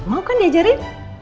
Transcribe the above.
mau kan diajarin